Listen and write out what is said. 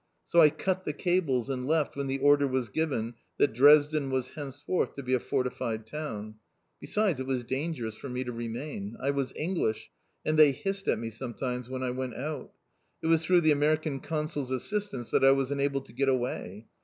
So I cut the cables and left when the order was given that Dresden was henceforth to be a fortified town. Besides, it was dangerous for me to remain. I was English, and they hissed at me sometimes when I went out. It was through the American Consul's assistance that I was enabled to get away.